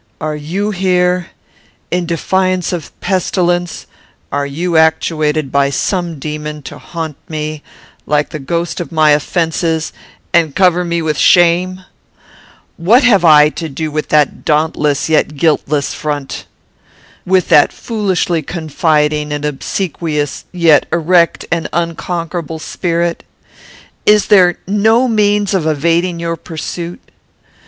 Are you here? In defiance of pestilence, are you actuated by some demon to haunt me, like the ghost of my offences, and cover me with shame? What have I to do with that dauntless yet guiltless front? With that foolishly confiding and obsequious, yet erect and unconquerable, spirit? Is there no means of evading your pursuit?